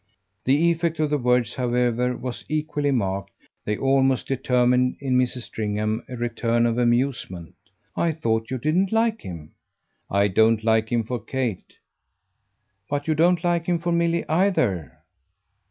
The effect of the words, however, was equally marked; they almost determined in Mrs. Stringham a return of amusement. "I thought you didn't like him!" "I don't like him for Kate." "But you don't like him for Milly either."